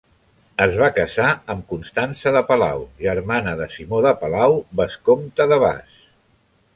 Es va casar amb Constança de Palau, germana de Simó de Palau, vescomte de Bas.